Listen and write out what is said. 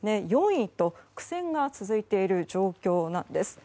４位と苦戦が続いている状況なんです。